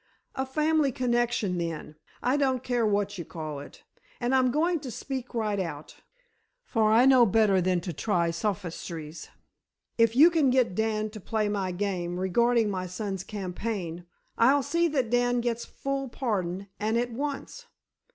"A family connection, then; I don't care what you call it. And I'm going to speak right out, for I know better than to try sophistries. If you can get Dan to play my game regarding my son's campaign, I'll see that Dan gets full pardon, and at once.